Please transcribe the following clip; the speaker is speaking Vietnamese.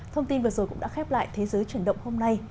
thông tin vừa rồi cũng đã khép lại thế giới chuyển động hôm nay